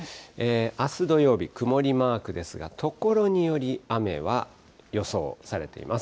あす土曜日、曇りマークですが、所により、雨は予想されています。